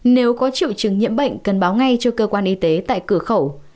nếu có triệu chứng nhiễm bệnh cần báo ngay cho cơ quan y tế tại cửa khẩu